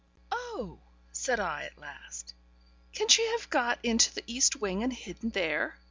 'Oh!' said I, at last, 'can she have got into the east wing and hidden there?'